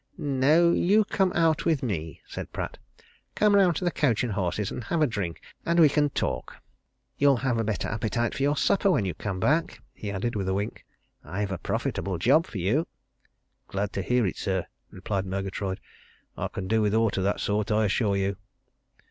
"No you come out with me," said Pratt. "Come round to the Coach and Horses, and have a drink and we can talk. You'll have a better appetite for your supper when you come back," he added, with a wink. "I've a profitable job for you." "Glad to hear it, sir," replied Murgatroyd. "I can do with aught of that sort, I assure you!"